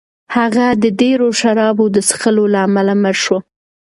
هغه د ډېرو شرابو د څښلو له امله مړ شو.